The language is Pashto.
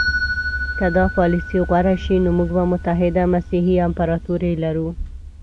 که دا پالیسي غوره شي نو موږ به متحده مسیحي امپراطوري لرو.